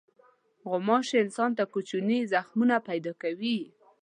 غوماشې انسان ته کوچني زخمونه پیدا کوي.